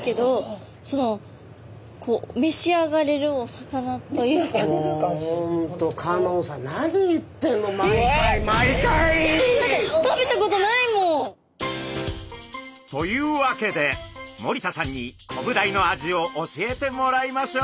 私もう本当香音さんだって食べたことないもん。というわけで森田さんにコブダイの味を教えてもらいましょう。